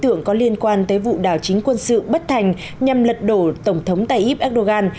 tượng có liên quan tới vụ đảo chính quân sự bất thành nhằm lật đổ tổng thống tayyip erdogan